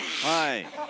はい。